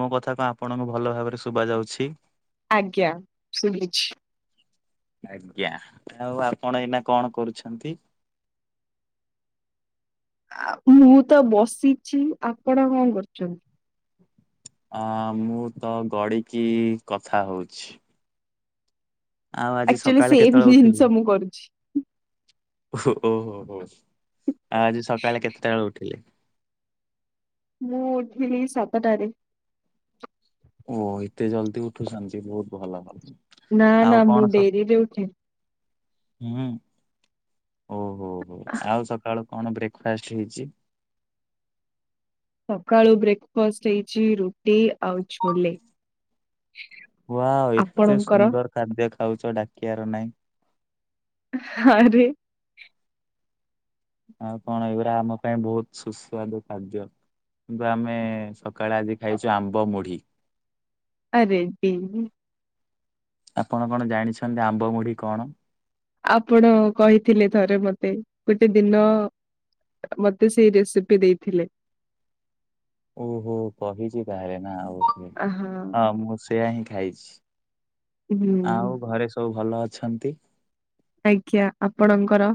ମୋ କଥା ତ ଆପଣଙ୍କୁ ଭଲ ଭାବରେ ଶୁଭା ଯାଉଛି? ଆଜ୍ଞା, ଶୁଭିଛି। ଆଜ୍ଞା ଆଉ ଆପଣ ଏଇନା କଣ କରୁଛନ୍ତି? ଆ ମୁଁ ତ ବସିଛି, ଆପଣ କଣ କରୁଛନ୍ତି? ଅ ମୁଁ ତ ଗଡିକି କଥା ହଉଛି। ଆଉ ଆକ୍ଚୁଆଲି ସେମ୍ ହିଁ ଜିନିଷ ମୁଁ କରୁଛି। ଓ ହୋ ହୋ ହୋ ଆଜି ସକାଳେ କେତେଟା ବେଳୁ ଉଠିଲେ? ମୁଁ ଉଠିଲି ସାତ ଟାରେ। ଓ ଏତେ ଜଲଦି ଉଠୁଛନ୍ତି ବହୁତ ଭଲ ଭଲ। ନା ଆଉ ନା କଣ ମୁଁ ସ ଡେରିରେ ଉଠେ। ହୁଁ। ଓହୋ ହୋ ଆଉ ସକାଳୁ କଣ ବ୍ରେକ୍ ଫାଷ୍ଟ୍ ହେଇଛି? ସକାଳୁ ବ୍ରେକ୍ ଫାଷ୍ଟ ହେଇଛି ରୁଟି ଆଉ ଛୋଲେ। ୱାଉ ଏତେ ଆପଣଙ୍କର ସୁନ୍ଦର ଖାଦ୍ୟ ଖାଉଛ ଡାକିବାର ନାଇଁ। ଆରେ। ଆଉ କଣ ଏଇଗୁଡା ଆମ ପାଇଁ ବହୁତ ସୁସ୍ୱାଦ ଖାଦ୍ୟ। କିନ୍ତୁ ଆମେ ସକାଳେ ଆଜି ଖାଇଛୁ ଆମ୍ବ ମୁଢି। ଆ ରେଡ୍ଡୀ। ଆପଣ କଣ ଜାଣିଛନ୍ତି ଆମ୍ବ ମୁଢି କଣ? ଆପଣ କହିଥିଲେ ଥରେ ମତେ ଗୋଟେ ଦିନ। ମତେ ସେଇ ରେସିପି ଦେଇଥିଲେ। ଓହୋ କହିଛି ତାହେଲେ ନା ଓହୋ ହଁ ମୁଁ ସେୟା ହିଁ ଖାଇଛି। ହୁଁ ଆଉ ଘରେ ସବୁ ଭଲ ଅଛନ୍ତି? ଆଜ୍ଞା ଆପଣଙ୍କର?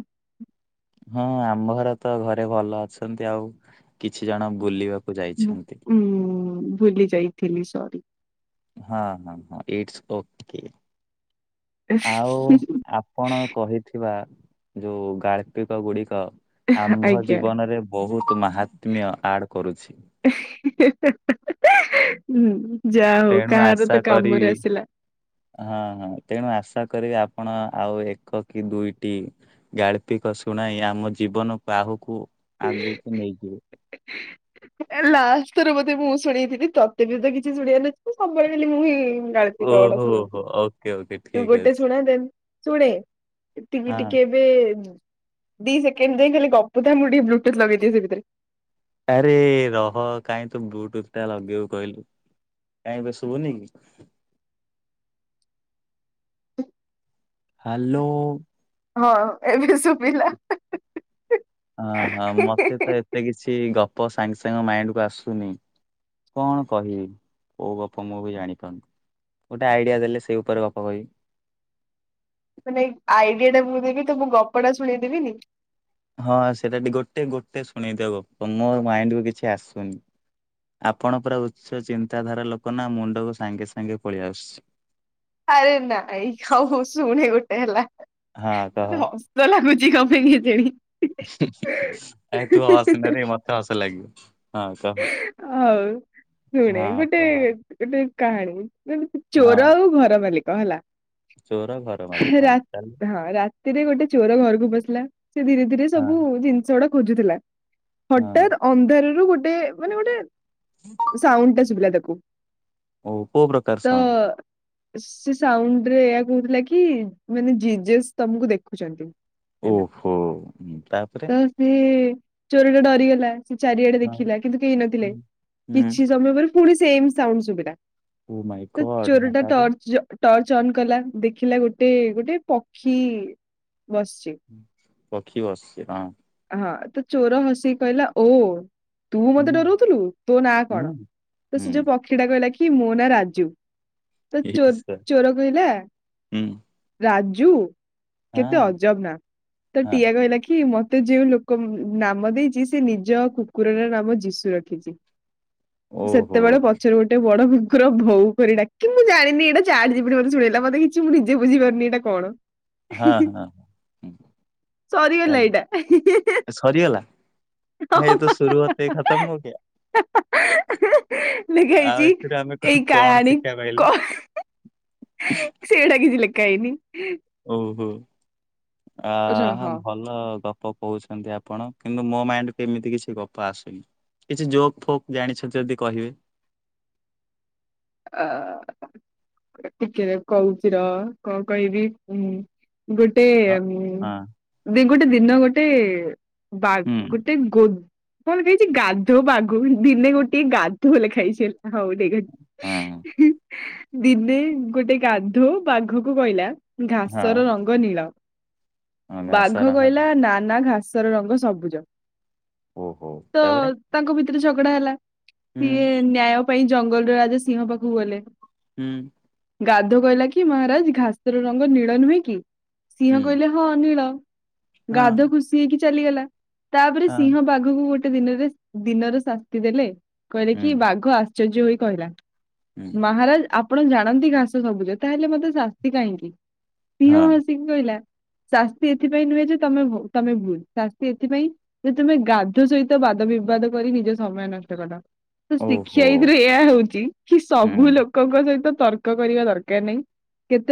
ହଁ ଆମ ଘର ତ ଘରେ ଭଲ ଅଛନ୍ତି ଆଉ କିଛି ଜଣ ବୁଲିବା ଉୁଁ ଭୁଲି ଯାଇଥିଲି ସରି। ହଁ ହଁ ହଁ ଇଟସ୍ ଓକେ ଆଉ ଆ ପଣ କହିଥିବା ଯୋଉ ଗାଳ୍ପିକ ଗୁଡିକ ଆମ୍ଭ ଆଜ୍ଞା। ଜୀବନରେ। ବହୁତ ମାହାତ୍ମ୍ୟ ଆଡ଼ କରୁଛି। ହି ହି ହି ହଁ ଯାହା ହଉ ତେଣୁ କାହାର ଆଶା ତ କାମରେ କରିବି ଆସିଲା। ହଁ ହଁ ତେଣୁ ଆଶା କରିବି ଆପଣ ଆଉ ଏକ କି ଦୁଇଟି। ଗାଳ୍ପିକ ଶୁଣାଇ ଆମ ଜୀବନକୁ ଆହୁକୁ ଆଗକୁ ନେଇଯିବେ। ଲାଷ୍ଟରେ ବୋଧେ ମୁଁ ଶୁଣେଇଥିଲି ତତେ ବି ତ କିଛି ଶୁଣେଇ ସବୁବେଳେ କାଲି ମୁଁ ହିଁ। ଗାଳ୍ପିକ ଗୁଡ଼ା ଓହୋ ହୋ ସୁଣାଉଥିବି ଓକେ ଓକେ ତୁ ଠିକ୍ ଗୋଟେ ଅଛି। ଶୁଣା ଦେନ ଶୁଣେ ଏତିକି ହଁ ଟିକେ ବେ ଦି ସେକେଣ୍ଡ ଯାଇ ଖାଲି ଗପୁତା ମୁଁ ଟିକେ ବ୍ଲୁଟୁଥ ଲଗେଇଦିଏ ସେ ଭିତରେ। ଆରେ ରହ କାହିଁ ତୁ ବ୍ଲୁଟୁଥ ଟା ଲଗେଇବୁ କହିଲୁ। କାଇଁ ଏବେ ଶୁଭୁନି କି? ହାଲୋ। ହଁ ଏବେ ଶୁଭିଲା। ହଁ ହ ମତେ ତ ଏତେ କିଛି ଗପ ସାଙ୍ଗେ ସାଙ୍ଗ ମାଇଣ୍ଡ କୁ ଆସୁନି। କଣ କହିବି କୋଉ ଗପ ମୁଁ ବି ଜାଣିପାରୁନି। ଗୋଟେ ଆଇଡିଆ ଦେଲେ ସେଇ ଉପରେ ଗପ କହିବି। ମାନେ ଆଇଡିଆ ଟା ମୁଁ ଦେବି ତ ମୁଁ ଗପଟା ଶୁଣେଇଦେବିନି। ହଁ ସେଟା ଟିକେ ଗୋଟେ ଗୋଟେ, ଶୁଣେଇଦିଅ ମୋ ମାଇଣ୍ଡ କୁ କିଛି ଆସୁନି। ଆପଣ ପୁରା ଉଚ୍ଚ ଚିନ୍ତାଧାରା ଲୋକ ନା ମୁଣ୍ଡକୁ ସାଙ୍ଗେ ସାଙ୍ଗେ ପଳେଇ ଆସୁଛି। ଆରେ ନାଇ ହୋଉ ହୋଉ ଶୁଣେ ଗୋଟେ ହେଲା। ହଁ କହ ମତେ ହସ ସ ଲାଗୁଛି କଣ ପାଇଁ କେଜାଣି? ଏ ତୁ ହସନାରେ ମତେ ହସ ଲାଗିବ। ହଁ କହ ହଉ ଶୁଣେ ହଁ ଗୋଟେ କହ ଗୋଟେ କାହାଣୀ ଚୋର ହଁ ଆଉ ଘର ମାଲିକ ହେଲା, ଚୋର ଘର ମାଲିକ ହଁ ଚାଲୁ ରା-ହଁ ରା ରାତିରେ ଗୋଟେ ଚୋର ଘରକୁ ପସିଲା ସେ ଧୀରେ ଧୀରେ ହଁ ସବୁ ଜିନିଷ ଗୁଡା ଖୋଜୁଥିଲା, ହଁ ହଠତ୍ ଅନ୍ଧାରରୁ ଗୋଟେ, ମାନେ ଗୋଟେ ସାଉଣ୍ଡ ଟେ ଶୁବିଲା ତାକୁ ଓ କୋଉ ପ୍ରକାର ତ ସାଉଣ୍ଡ ସେ ସାଉଣ୍ଡରେ ଏଇଆ କହୁଥିଲା କି, ମାନେ ଜିଜେସ୍ ତମକୁ ଦେଖୁଛନ୍ତି। ହେଲା। ଓହୋ ହୁଁ, ତାପରେ ତ ସେ ଚୋର ଟା ଡରିଗଲା ସେ ଚାରିଆଡେ ହଁ ଥିଲା କିନ୍ତୁ କେହି ନଥିଲେ, ହୁଁ। ହୁଁ କିଛି ସମୟ ପରେ, ପୁଣି ଶେମ୍ ସାଉଣ୍ଡ ସୁବିଲା ଓ ମାଇ ତ ଗଡ୍ ହଁ ଚୋରଟା ତାପରେ ଟର୍ଚ୍ଚ ଟର୍ଚ ଅନ୍ କଲା, ଦେଖିଲା ଗୋଟେ ଗୋଟେ ପକ୍ଷୀ ବସିଛି ପକ୍ଷୀ ବସିଛି ହଁ। ହଁ ତ ଚୋର ହସିକି କହିଲା ଓ ତୁ ମତେ ହୁଁ ଡରଉଥିଲୁ ତୋ ନାଁ କଣ? ହୁଁ ତ ହୁଁ ସେ ପକ୍ଷୀ ଟା କହିଲା କି ମୋ ନାଁ ରାଜୁ। ତ ଚୋ- ଇଶା ଚୋର କହିଲା ହୁଁ ରାଜୁ କେତେ ହଁ ଅଜବ ନା। ତ ହଁ ଟିଆ କହିଲା କି ମତେ ଯୋଉ ଲୋ କ ନାମ ଦେଇଛି ସେ ନିଜ କୁକୁର ର ନାମ ଯିଶୁ ରଖିଛି। ଓହୋ ସେତେବେଳେ ପ ପଛରେ ଗୋଟେ ବଡ ବୁକୁର ଭଉ କରି ଡାକି, ମୁଁ ଜାଣିନି ଏଇଟା ଚାଟ୍ ଜି ପି ଟି ମତେ ଶୁଣେଇଲା ମତେ କିଛି ମୁଁ ନିଜେ ବୁଝିପାରୁନି ଏଇଟା କଣ? ହାଁ ହାଁ। ହୁଁ। ଚାଲ ସରିଗଲା ଏଇଟା। [unintelligible] ସରିଗଲା? ହେଇ ହଁ ତ ପା ଶୁରୁ ହତେ ହି଼ ଖତମ ହୋଗେୟା। [unintelligible] ଲେଖା ଆଉ ହେଇଛି ଏଥିରେ ଆମେ କ- ଏଇ କଣ କାହାଣୀ ଶିକ୍ଷା ପାଇଲେ କ ସେଇଟା କିଛି ଲେଖା ହେଇନି। ଓହୋ। ରହ ଆହା ଭଲ ଭଲ ଗପ କହୁଛନ୍ତି ଆପଣ। କିନ୍ତୁ ମୋ ମାଇଣ୍ଡ କୁ ଏମିତି କିଛି ଗପ ଆସୁନି। କିଛି ଯୋକ୍ ଫୋକ୍ ଜାଣିଛ ଯଦି କହିବେ? ଆ ଟିକେ କହୁଛି ରହ, କଣ କହିବି? ଗୋଟେ ହଁ ଉଁ ହଁ ଦି ଗୋଟେ ଦିନ ଗୋଟେ ବା ହୁଁ ଗୋଟେ ଗୋ କଣ ଖାଇଛି ଗାଧୁବାଘ ଦିନେ ଗୋଟିଏ ଗାଧୁ ଲେଖା ହୋଇଛି ହେଲା ଗୋଟେ ହଁ ଦିନେ ଗୋଟେ ଗାଧ ବାଘକୁ କହିଲା ହଁ ଘାସ ର ରଙ୍ଗ ନୀଳ। ହଁ ଘାସ ବାଘ ରାହାଣ କହିଲା ନା ନା ଘାସ ଘାସର ରଙ୍ଗ ସବୁଜ। ଓହୋ ତ ତାପରେ ତାଙ୍କ ଭିତରେ ଝଗଡା ହେଲା ହୁଁ ସିଏ ନ୍ୟାୟ ପାଇଁ ଜଙ୍ଗଲର ରାଜା ସିଂହ ପାଖକୁ ଗଲେ। ହୁଁ। ଗାଧ କହିଲା କି ମହାରାଜ ଘାସର ରଙ୍ଗ ନୀଳ ନୁହେଁ କି? ସିଂହ ହୁଁ କହିଲା ହଁ ନୀଳ। ଗାଧ ହଁ ଖୁସି ହେଇକି ଚାଲିଗଲା। ତାପରେ ହଁ ସିଂହ ବାଘକୁ ଗୋଟେ ଗୋଟେ ଦିନରେ, ଦିନରେ ଶାସ୍ତି ଦେଲେ। କହିଲେ ହୁଁ କି ବାଘ ଆଶ୍ଚର୍ଯ୍ୟ ହୋଇ କହିଲା ହୁଁ ମହାରାଜ ଆପଣ ଜାଣନ୍ତି ଘାସ ସବୁଜ। ତାହେଲେ ମତେ ଶାସ୍ତି କାହିଁକି? ସିଂହା ହଁ ହସି ସିହଁ କହିଲା, ଶାସ୍ତି ଏଥିପାଇଁ ନୁହେଁ ଯେ ତମେ ଭୁ- ତମେ ଭୁଲ୍ ଶାସ୍ତି ଏଥିପାଇଁ ଯେ ତୁମେ ଗାଧୁ ସହିତ ବାଦ ବିବାଦ କରି ନିଜ ସମୟ ନଷ୍ଟ କଲ। ତ ଓହୋ ଶିକ୍ଷା ଏଥିରୁ ଏହାୟ ହଉଛି, କି ହୁଁ ସବୁ ଲୋକଙ୍କ ସହିତ ତର୍କ କରିବା ଦରକାର ନାହିଁ।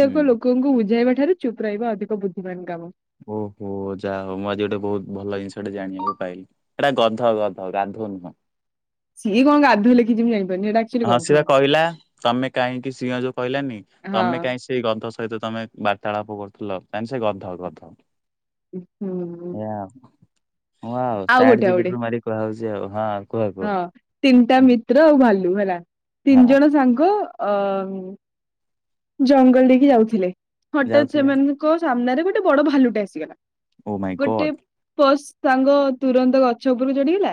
ହୁଁ ଲୋକଙ୍କୁ ବୁଝାଇବା ଠାରୁ ଚୁପ୍ ରହିବା ଅଧିକ ବୁଦ୍ଧିମାନ କାମ। ଓହୋ ଯା ହଉ ମୁଁ ଆଜି ଗୋଟେ ବହୁତ ଭଲ ଜିନିଷଟେ ଜାଣିବା କୁ ପାଇଲିି। ଏଇଟା ଗଧ ଗଧ ଗାଧୁ ନୁହଁ। ସିଏ କଣ ଗାଧୋ ଲେଖିଛି ମୁଁ ଜଣିପାରୁନି ଇଟା ହଁ ସିଏ ବା କହିଲା ତମେ କାହିଁକି ସିଂହ ଯୋଉ କହିଲାନି ହଁ ତମେ କାହିଁ ସେଇ ଗଧ ସହିତ ତମେ ବାର୍ତ୍ତାଳାପ କରୁଥିଲ କାଇଁ ସେ ଗଧ ଗଧ ହୁଁ। ଏଇଆ ଆଉ ହଁ ଆଉ ଚାଟ୍ ଗୋଟେ ଜି ଆଉ ପି ଗୋଟେ ଟି ରୁ ମାରି କୁହା ହଉଛି ଆଉ ହଁ କୁହ ହଁ କୁହ। ତିନିଟା ହୁଁ, ମିତ୍ର ଆଉ ଭାଲୁ ହେଲା ତିନି ହଁ ଜଣ ସାଙ୍ଗ। ଅ ଜଙ୍ଗଲ ଦେଇକି ଯାଉଥିଲେ ହଠାତ୍ ଯାଉଥିଲେ ସେମାନେ ଙ୍କ ସାମ୍ନାରେ ଗୋଟେ ବଡ ଭାଲୁଟେ ଆସିଗଲା ଓ ମାଇ ଗୋଟେ ଗଡ୍ ପସ୍ ସାଙ୍ଗ ତୁରନ୍ତ ଗଛ ଉପରକୁ ଚଢିଗଲା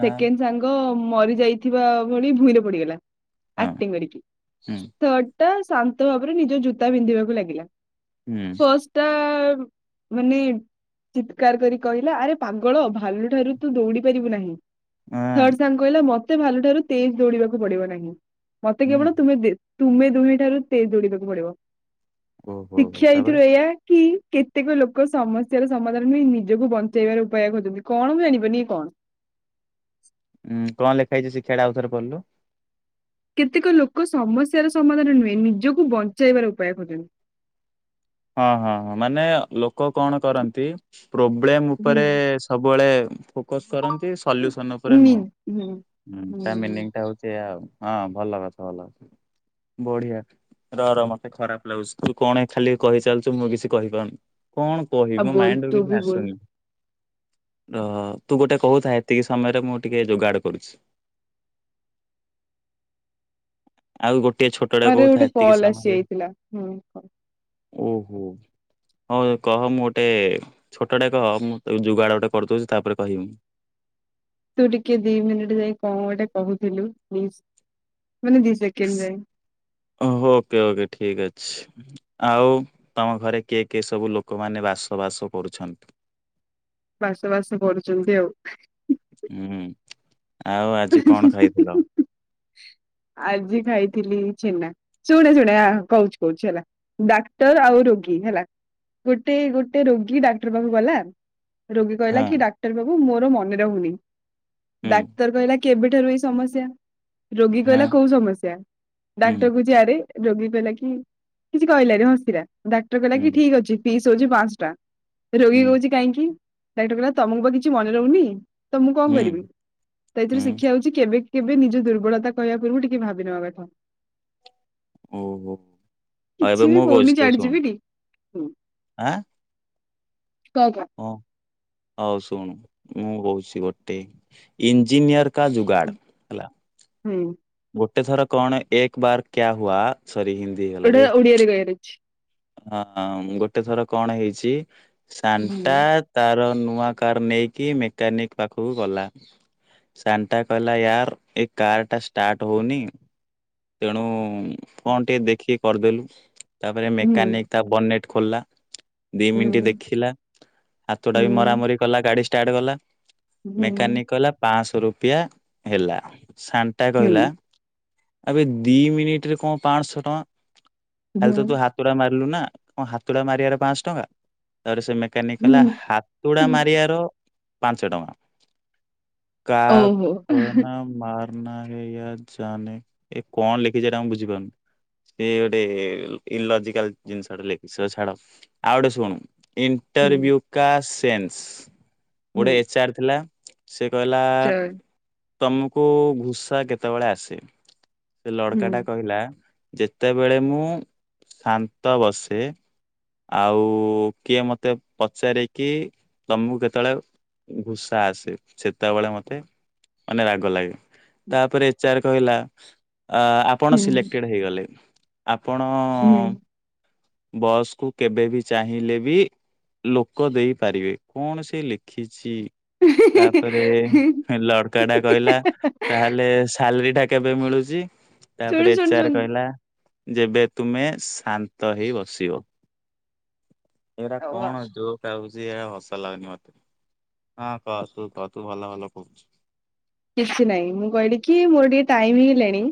ହଁ ସେକେଣ୍ଡ ସାଙ୍ଗ ମରି ଯାଇଥିବା ଭଳି ଭୂଇଁରେ ପଡିଗଲା। ହଁ ଏକ୍ଟିଙ୍ଗ କରିକି ହୁଁ। ଥାର୍ଡ଼ଟା ଶାନ୍ତ ଭାବରେ ନିଜ ଜୋତା ପିନ୍ଧିବାକୁ ଲାଗିଲା। ହୁଁ ଫସ୍ଟା ମାନେ ଚିତ୍କାର କରି କହିଲା ଆରେ ପାଗଳ ଭା ଭାଲୁ ଠାରୁ ତୁ ଦୌଡି ପାରିବୁ ନାହିଁ ଆଁ ଥାଡ୍ ସାଙ୍ଗ କହିଲା ମତେ ଭାଲ ଠାରୁ ତେଜ ଦୌଡିବାକୁ ପଡିବ ନାହିଁ ମତେ ହୁଁ କେବଳ ତୁମେ ଦି ତୁମେ ଦୁହେଁ ଠାରୁ ତେଜ ଦୌଡିବାକୁ ପଡିବ ଓହୋ ହୋ। ଶିକ୍ଷା ତାପରେ ଏଇଥିରୁ ଏଇଆ କି କେତେକ ଲୋକ ସମସ୍ୟାର ସମାଧାନ ହୁ ନିଜକୁ ବଞ୍ଚେଇବାର ଉପାୟ ଖୋଜନ୍ତି। କଣ ବା ଜାଣିବନି କଣ ଉଁ କଣ ଲେଖା ହେଇଛି ଶିଖ୍ୟାଟା ଆଉଥରେ ପଡିଲୁ? କେତେକ ଲୋକ ସମସ୍ୟାର ସମାଧାନ ନୁହେଁ ନିଜକୁ ବଞ୍ଚେଇବାର ଉପାୟ ଖୋଜୋନ୍ତି। ହଁ ହଁ ମାନେ ଲୋକ କଣ କରନ୍ତି ପ୍ରୋବ୍ଲେମ ହୁଁ ଉପରେ ସବୁବେଳେ ଫୋକସ କରନ୍ତି। ସଲୁସନ ଉପରେ ନି ନୁହଁ, ହୁଁ। ତା ହୁଁ ମିନିଂଟା ହଉଛି ଇୟା। ହଁ, ଭଲ କଥା ଭଲ କଥା। ବଢିଆ, ରର ମତେ ଖରାପ ଲାଗୁଛି, ତୁ କଣ ଖାଲି କହି ଚାଲିଛୁ ମୁଁ କିଛି କହିପାରୁନି, କଣ ଆଉ କହିବି ମୋ ବୋଲ ମାଇଣ୍ଡ ରୁ ତୁ କିଛି ବି ବୋଲ ଆସୁନି। ର ତୁ ଗୋଟେ କହୁଥା ଏତିକି ସମୟରେ ମୁଁ ଟିକେ ଯୋଗାଡ଼ କରୁଛି। ଆ ଆଉ ଗୋଟିଏ ଛୋଟଟେ ଆରେ କହୁଥା ଗୋଟେ ଏତିକି କଲ ଆସି ସମୟରେ ଯାଇଥିଲା ହୁଁ, କ ଓହୋ। ହଁ, କହ ମୁଁ ଗୋଟେ ଛୋଟଡେ କହ, ମୁଁ ଯୁଗାଡ ଗୋଟେ କରିଦଉଛି ତାପରେ କହିବି। ତୁ ଟିକେ ଦି ମିନିଟ ଯାଇ କଣ ଗୋଟେ କହୁଥିଲୁ, ମିସ ମାନେ ଦି ସେକେଣ୍ଡ ପାଇଁ। ଓହୋ ଓକେ ଓକେ ଠିକ ଅଛି। ଆଉ, ତମ ଘରେ କିଏ କିଏ ସବୁ ଲୋକମାନେ ବାସ ବାସ କରୁଛନ୍ତି। ବାସ ବାସ କରୁଛନ୍ତି ଆଉ। ହୁଁ, ଆଉ ଆଜି କଣ ଖାଇଥିଲ? ଆଜି ଖାଇଥିଲି ଛେନା। ଶୁଣେ, ଶୁଣେ ହା କହୁଛି କହୁଛି ହେଲା ଡାକ୍ତର ଆଉ ରୋଗୀ ହେଲା। ଗୋଟେ ଗୋଟେ ରୋଗୀ ଡାକ୍ତର ପାଖକୁ ଗଲା। ରୋଗୀ କହିଲା ହଁ। କି, ଡାକ୍ତର ବାବୁ ମୋର ମନେ ରହୁନି, ହୁଁ ଡାକ୍ତର କହିଲା କି କେବେଠାରୁ ଏଇ ସମସ୍ୟା, ରୋଗୀ କହିଲା? ହଁ କୋଉ ସମସ୍ୟା, ଡାକ୍ତର ହୁଁ କହୁଛି ଆରେ ରୋଗୀ କହିଲ କି କିଛି କହିଲାନି ହସିଲା। ଡାକ୍ତର କହିଲା କି ହୁଁ ଠିକ ଅଛି, ଫିସ୍ ହଉଛି ପାଞ୍ଚଶହ ଟଙ୍କା ରୋଗୀ ହୁଁ କହୁଛି କାହିଁକି? ଡାକ୍ତର କହିଲା, ତମକୁ ବା କିଛି ମନେ ରହୁନି ତ ମୁଁ କଣ ହୁଁ କରିବି, ତ ଏଥିରୁ ହୁଁ ଶିକ୍ଷା ହଉଛି କେବେ, କେବେ ନିଜ ଦୁର୍ବଳତା କହିବା ପୂର୍ବରୁ ଟିକେ ଭାବିନବା କଥା। ଓହୋ। ଆଉ ଏବେ କିଛି ବି ମୁଁ କହୁଛି କହୁନି ତୁ ଚାର୍ଟ ଶୁଣୁ ଗି ପି ଟି ଆଁ। କ କ ହଁ, ହଉ ଶୁଣ ମୁଁ କହୁଛି ଗୋଟେ ଇଞ୍ଜିନିୟର କା ଜୁଗାଡ଼ ହୁଁ। ଗୋଟେ ଥର କଣ ଏକ ବାର କ୍ୟା ହୁଆ ସରି ହିନ୍ଦୀ। ଗୋଟେ ହେଇଗଲାରେ ଓଡିଆରେ କହିବା ର ଅଛି ହଁ, ହ ଗୋଟେ ଥର କଣ ହେଇଛି, ସାନ୍ଟା ହୁଁ ତାର ନୂଆ କାର ନେଇକି ମେକାନିକ ପାଖକୁ ଗଲା। ସାନ୍ଟା କହିଲା ୟାର୍, ଏ କାର୍ ଟା ଷ୍ଟାର୍ଟ ହଉନି। ତେଣୁ କଣ ଟିକେ ଦେଖିକି କରିଦେଲୁ, ତାପରେ ହୁଁ ମେକାନିକ ତା ବନେଟ ଖୋଲିଲା। ଦି ହୁଁ ମିନିଟ ଦେଖିଲା, ହାତଟା ବି ହୁଁ ମରାମରି କଲା ଗାଡି ଷ୍ଟାର୍ଟ କଲା ହୁଁ ମେକାନିକ କହିଲ ପାଞ୍ଚଶହ ରୁପୀୟା ଦେଲା, ସାଣ୍ଟା କହିଲା ହୁଁ ଆବେ ଦି ମିନିଟରେ କଣ ପାଞ୍ଚଶହ ଟଙ୍କା, ହୁଁ ଖାଲି ତ ତୁ ହାତ ହାତୁଡ଼ା ମାରିଲୁ ନା, କଣ ହାତୁଡ଼ା ମାରିବାର ପାଞ୍ଚଶହ ଟଙ୍କା ତାରେ ସେ ମେକାନିକ ହୁଁ କହିଲା ହୁଁ ହାତୁଡା ମାରିବାର ପାଞ୍ଚ ଟଙ୍କା। ଓହୋ କା ମାର ନା ହୋ ଜେ ଏ କଣ ଲେଖିଛି ଏଟା ମୁଁ ବୁଝିପାରୁନି। ସେଟ ଇ ଲଜ ଜିନିଷା ଲେଖିଛି। ଛାଡ ଆଉ ଗୋଟେ ଶୁଣୁ ହୁଁ ଇଣ୍ଟରୁ ସେ ହୁଁ ଗୋଟେ ଏଚ ଆର ଥିଲା ସେ କହିଲା ଚଲ ତମକୁ ଘୁଷା କେତେବେଳେ ଆସେ, ସେ ହୁଁ ଲଡକା ଟା କହିଲା ଯେତେବେଳେ ମୁଁ ଶାନ୍ତ ବସେ। ଆଉ କିଏ ମତେ ପଚାର କିି ତମକୁ କେତେବେଳେ ଭୂଷା ଆସେ ସେତେବେଳେ ମତେ ମାନେ ରାଗ ଲାଗେ ତାପରେ ଏଚ ଆର କହିଲା ଆପଣ ହୁଁ ସିଲେକ୍ଟେଡ଼ ହେଇଗଲେ ଆପଣ। ହୁଁ। ବସ୍କୁୁ କେବେବ ଚାହିଁଲେ ବି। ଲୋକ ଦେଇପାରିବେ କଣ ସେ ଲେଖିଛି। ତାପରେ ଲଡକା ଟା କହିଲା ତାହେଲେ ସାଲରୀଟା। କେବେ ମିଳୁଛି ଶୁଣୁ ତାପରେ ଶୁଣୁ ଏଚର ଶୁଣୁ କହିଲା ଯେବେ ତୁମେ ଶା ତ ହେଇ ବସିବ ଏଇଟା କଣ ଯୋଉ। ହୁଛି ଏ ଭସା ଲାଗୁନି ମତେ ହଁ କ ତୁ କ ତୁ ଭଲ ଭଲ କହୁଛୁ। କିଛି ନାହିଁ ମୁଁ କହିଲି କି ମୋର ଟିକେ ଟାଇମ ହେଇଲେଣି।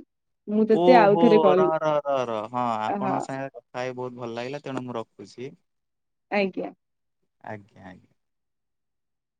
ଓହୋ ର ର ର ର ହଁ ହଁ ଆପଣ ସାଙ୍ଗ। ଖାଇ ବହୁତ ଭଲ ଲାଗିଲା ତେଣୁ ମୁଁ ରଖୁଛି। ଆଜ୍ଞା ଆଜ୍ଞା ଆଜ୍ଞା।